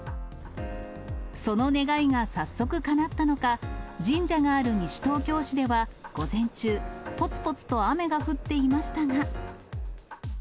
その願いが早速かなったのか、神社がある西東京市では、午前中、ぽつぽつと雨が降っていましたが。